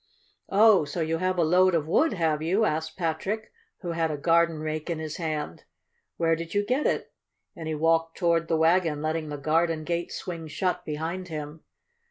"Oh, so you have a load of wood, have you?" asked Patrick, who had a garden rake in his hand. "Where did you get it?" and he walked toward the wagon, letting the garden gate swing shut behind him.